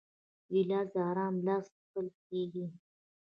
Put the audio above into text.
ګیلاس د آرام له لاسه څښل کېږي.